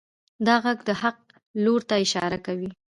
دا غږ د حق لور ته اشاره کوي.